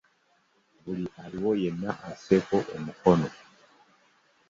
Buli aliwo yenna asseeko omukono.